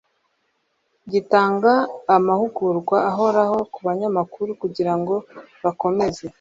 gitanga amahugurwa ahoraho ku banyamakuru kugira ngo bakomeze